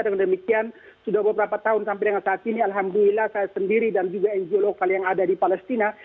dengan demikian sudah beberapa tahun sampai dengan saat ini alhamdulillah saya sendiri dan juga ngo lokal yang ada di palestina